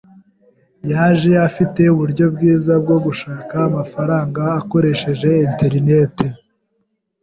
Yaje afite uburyo bwiza bwo gushaka amafaranga akoresheje interineti.